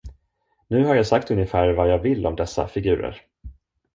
Nu har jag sagt ungefär vad jag vill om dessa figurer.